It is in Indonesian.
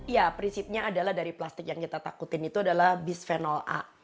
ya prinsipnya adalah dari plastik yang kita takutin itu adalah bisphenol a